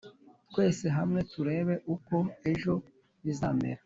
twese hamwe turebe uko ejo bizamera